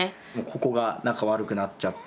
ここが仲悪くなっちゃった。